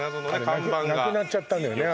看板がなくなっちゃったのよね